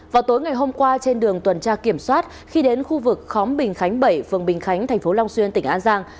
vào tối ngày hôm qua trên đường tuần tra kiểm soát khi đến khu vực khóm bình khánh bảy phường bình khánh thành phố long xuyên tỉnh an giang